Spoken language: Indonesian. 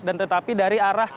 dan tetapi dari arah bsd